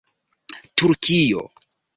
turkio